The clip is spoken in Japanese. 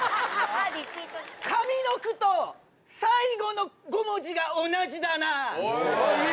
上の句と最後の５文字が同じだな！